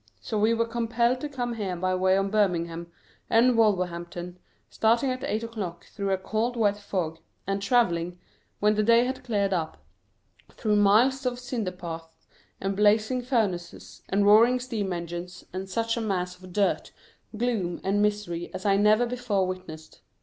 So we were compelled to come here by way of Birmingham and Wolverhampton, starting at eight o'clock through a cold wet fog, and travelling, when the day had cleared up, through miles of cinder paths and blazing furnaces, and roaring steam engines, and such a mass of dirt, gloom, and misery as I never before witnessed.